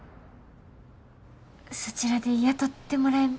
そちらで雇ってもらえ。